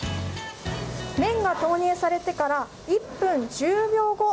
麺が投入されてから１分１０秒後